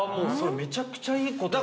めちゃくちゃいい答え。